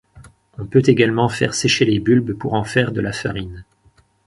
On peut également faire sécher les bulbes pour en faire de la farine.